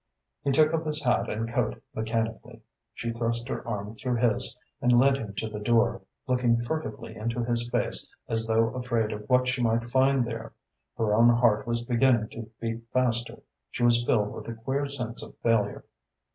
He took up his hat and coat mechanically. She thrust her arm through his and led him to the door, looking furtively into his face as though afraid of what she might find there. Her own heart was beginning to beat faster. She was filled with a queer sense of failure.